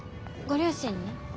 ご両親に？